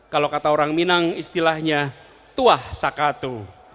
kalau kata orang minang istilahnya tuah sakatu